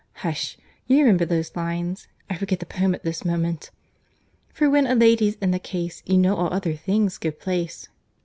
—Hush!—You remember those lines—I forget the poem at this moment: "For when a lady's in the case, "You know all other things give place."